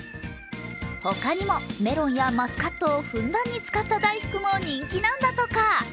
他にもメロンやマスカットをふんだんに使った大福も人気なんだとか。